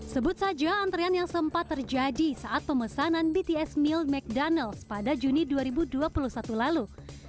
sebut saja antrean yang sempat terjadi saat pemesanan bts meal ⁇ cdonalds pada juni dua ribu dua puluh satu lalu